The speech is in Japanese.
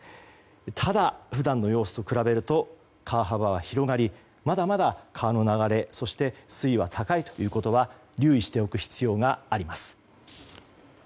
ただ、普段の様子と比べると川幅は広がりまだまだ川の流れそして水位は高いことは留意しておく必要があります。